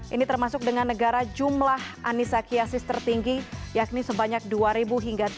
ini termasuk dengan negara jumlah anisakiasis tertinggi yakni sebanyak dua ribu hingga tiga ribu kali